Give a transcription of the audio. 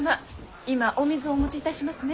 今お水をお持ちいたしますね。